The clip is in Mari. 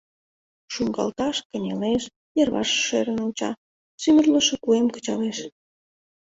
Шуҥгалташ, кынелеш, йырваш шерын онча — сӱмырлышӧ куэм кычалеш.